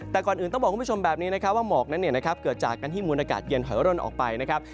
แต่ก่อนอื่นต้องบอกคุณผู้ชมแบบนี้นะครับว่าหมอกนั้นเกิดจากการที่มูลอากาศเย็นถอยร่นออกไปนะครับ